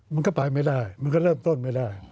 มันก็ไปไม่ได้มันก็เริ่มต้นไม่ได้